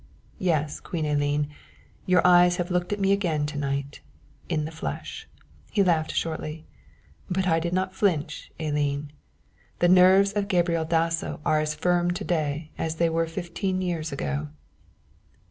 Yes, Queen Elene, your eyes have looked at me again to night in the flesh" he laughed shortly "but I did not flinch, Elene; the nerves of Gabriel Dasso are as firm to day as they were fifteen years ago."